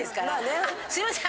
すいません。